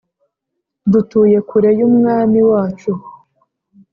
dutuye kure y Umwami wacu